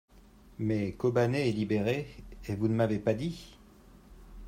mais, Kobané est libérée et vous ne m'avez pas dit.